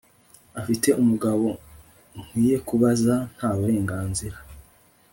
Afite umugabo Nkwiye kubaza nta burenganzira